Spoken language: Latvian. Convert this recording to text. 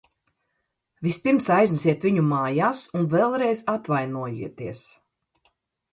Vispirms aiznesiet viņu mājās un vēlreiz atvainojieties!